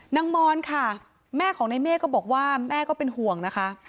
มอนค่ะแม่ของในเมฆก็บอกว่าแม่ก็เป็นห่วงนะคะ